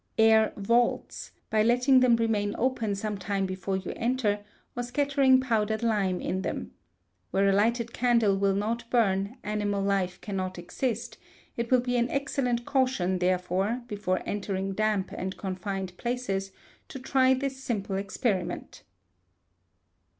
Air vaults, by letting them remain open some time before you enter, or scattering powdered lime in them. Where a lighted candle will not burn, animal life cannot exist; it will be an excellent caution, therefore, before entering damp and confined places, to try this simple experiment.